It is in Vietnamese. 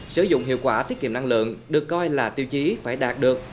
sử dụng hiệu quả tiết kiệm năng lượng được coi là tiêu chí phải đạt được